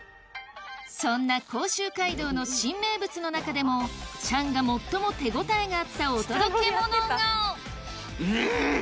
そんな甲州街道の新名物の中でもチャンが最も手応えがあったお届けモノがうん！